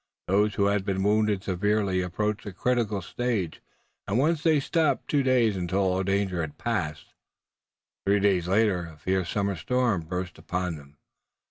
Those who had been wounded severely approached the critical stage, and once they stopped two days until all danger had passed. Three days later a fierce summer storm burst upon them.